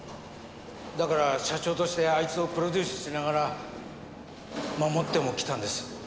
だから社長としてあいつをプロデュースしながら守ってもきたんです。